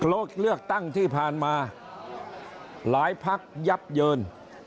เลือกตั้งที่ผ่านมาหลายพักยับเยิน